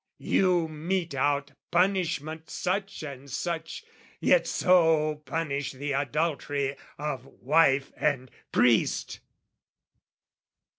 You mete out punishment such and such, yet so Punish the adultery of wife and priest!